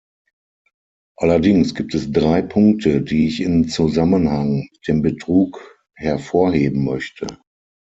Allerdings gibt es drei Punkte, die ich in Zusammenhang mit dem Betrug hervorheben möchte.